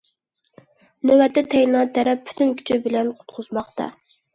نۆۋەتتە، تايلاند تەرەپ پۈتۈن كۈچى بىلەن قۇتقۇزماقتا.